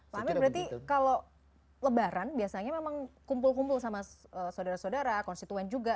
pak amir berarti kalau lebaran biasanya memang kumpul kumpul sama saudara saudara konstituen juga